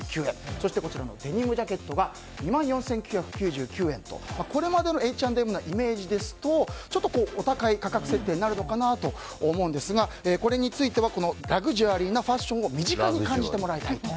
そしてこちらのデニムジャケットが２万４９９９円とこれまでのＨ＆Ｍのイメージですとちょっとお高い価格設定になるのかなと思いますがこれについてはラグジュアリーなファッションを身近に感じてもらいたい